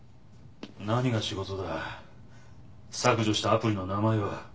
「何が仕事だ」「削除したアプリの名前は？」